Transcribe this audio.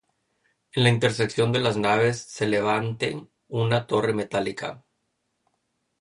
En la intersección de las naves se levante una torre metálica.